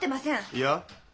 いや。